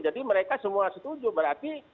jadi mereka semua setuju berarti